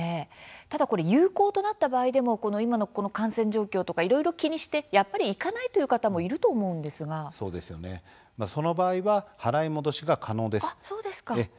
ただ有効となった場合でも今の感染状況とかいろいろ気にしてやっぱり行かないという方もその場合は払い戻しが可能です。